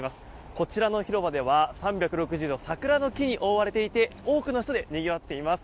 こちらの広場では３６０度桜の木に覆われていて多くの人でにぎわっています。